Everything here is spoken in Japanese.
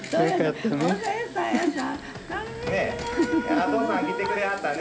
お父さん来てくれはったね。